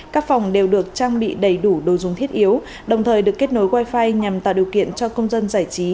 các phòng đều được trang bị đầy đủ đồ dùng thiết yếu đồng thời được kết nối wifi nhằm tạo điều kiện cho công dân giải trí